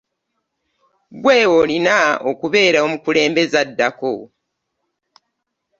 Gwe alina okubeera omukulembeze addako.